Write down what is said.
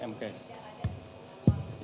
dan apakah laporan ini bisa